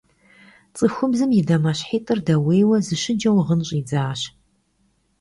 Цӏыхубзым и дамэщхьитӀыр дэуейуэ, зэщыджэу гъын щӀидзащ.